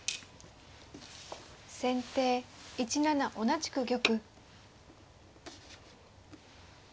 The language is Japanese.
先手１七同じく玉。